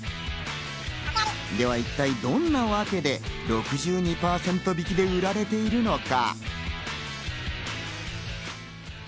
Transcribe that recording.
では一体どんなワケで６２％引きで売られているのか？